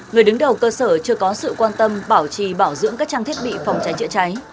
người đứng đầu cơ sở chưa có sự quan tâm bảo trì bảo dưỡng các trang thiết bị phòng cháy chữa cháy